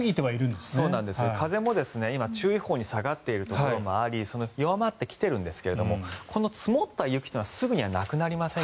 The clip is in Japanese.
風も今、注意報に下がっているところもあり弱まってきているんですが積もった雪というのはすぐにはなくなりません。